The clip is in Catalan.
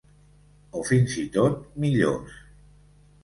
O fins i tot millors.